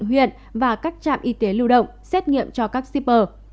huyện và các trạm y tế lưu động xét nghiệm cho các shipper